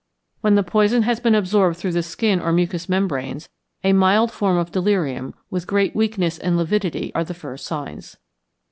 When the poison has been absorbed through the skin or mucous membranes, a mild form of delirium, with great weakness and lividity, are the first signs.